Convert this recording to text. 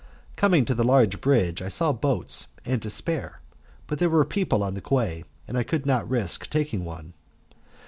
Coming to the large bridge I saw boats and to spare, but there were people on the quay, and I would not risk taking one.